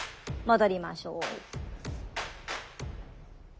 戻りましょう。